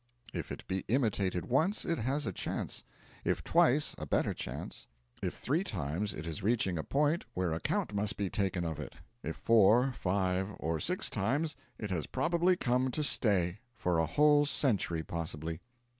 If it be imitated once, it has a chance; if twice a better chance; if three times it is reaching a point where account must be taken of it; if four, five, or six times, it has probably come to stay for a whole century, possibly.